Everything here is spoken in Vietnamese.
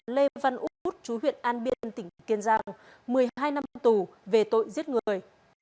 lê văn út chú huyện an biên tỉnh kiên giang một mươi hai năm tù về tội giết người